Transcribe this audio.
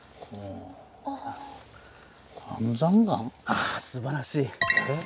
あすばらしい。